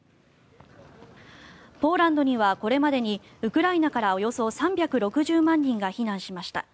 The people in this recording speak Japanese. ポーランドにはこれまでにウクライナからおよそ３６０万人が避難しました。